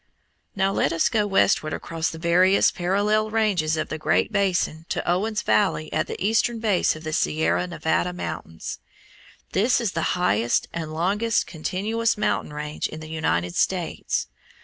Now let us go westward across the various parallel ranges of the Great Basin to Owens Valley at the eastern base of the Sierra Nevada mountains. This is the highest and longest continuous mountain range in the United States.